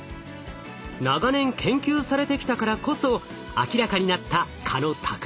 長年研究されてきたからこそ明らかになった